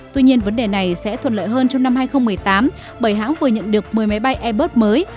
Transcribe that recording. tuy nhiên vấn đề này sẽ thuận lợi hơn trong năm hai nghìn một mươi tám bởi hãng vừa nhận được một mươi máy bay airbus mới